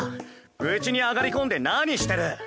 うちに上がり込んで何してる？